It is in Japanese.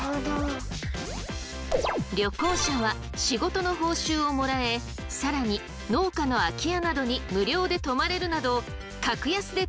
旅行者は仕事の報酬をもらえ更に農家の空き家などに無料で泊まれるなど格安で旅ができるんです！